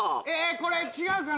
これ違うかな？